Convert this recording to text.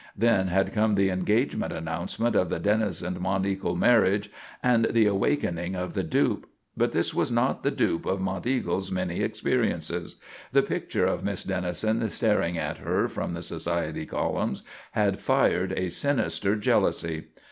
Then had come the engagement announcement of the Dennison Monteagle marriage and the awakening of the dupe. But this was not the dupe of Monteagle's many experiences. The picture of Miss Dennison, staring at her from the society columns, had fired a sinister jealousy.